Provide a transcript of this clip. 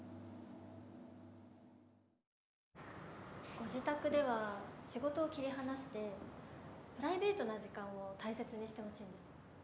ご自宅では仕事を切り離してプライベートな時間を大切にしてほしいんです。